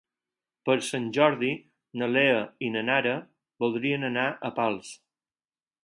Per Sant Jordi na Lea i na Nara voldrien anar a Pals.